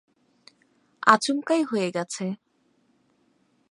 আচমকাই হয়ে গেছে।